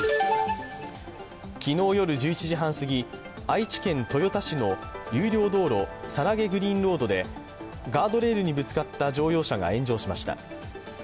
昨日夜１１時半すぎ、愛知県豊田市の有料道路、猿投グリーンロードで、ガードレールにぶつかった乗用車が炎上しました。